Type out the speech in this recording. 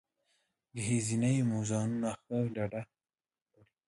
ګهیځنۍ مو ځانونه ښه ډېډه کړل.